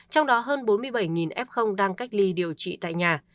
trong đó hơn bốn mươi bảy f đang cách ly điều trị tại nhà